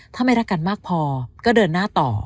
ถ้าไม่รักกันมากพอก็เดินหน้าต่อ